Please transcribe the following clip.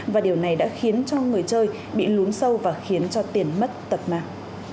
và điều này đã khiến cho người chơi bị lún sâu và khiến cho tiền mất tật mạng